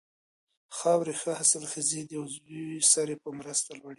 د خاورې ښه حاصلخېزي د عضوي سرې په مرسته لوړیږي.